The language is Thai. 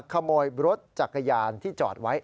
ขโมยรถจักรยานที่จอดไว้